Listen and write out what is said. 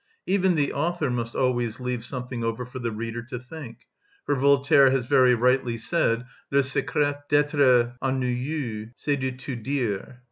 Even the author must always leave something over for the reader to think; for Voltaire has very rightly said, "Le secret d'être ennuyeux, c'est de tout dire."